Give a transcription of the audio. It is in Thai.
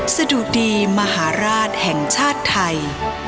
สะดุดีมหาราชแห่งชาติไทย